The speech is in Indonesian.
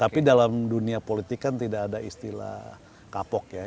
tapi dalam dunia politik kan tidak ada istilah kapok ya